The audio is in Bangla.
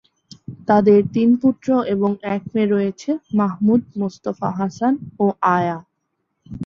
তাদের তিন পুত্র এবং এক মেয়ে রয়েছে: মাহমুদ, মোস্তফা, হাসান ও আয়া।